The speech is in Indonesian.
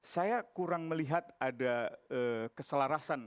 saya kurang melihat ada keselarasan